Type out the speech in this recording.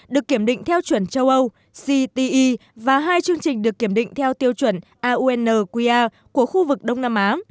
được kiểm định theo chuẩn châu âu cte và hai chương trình được kiểm định theo tiêu chuẩn aunqa của khu vực đông nam á